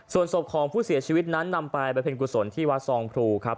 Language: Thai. จบของผู้เสียชีวิตนั้นนำไปบริเวณกุศลที่วัดซองภูครับ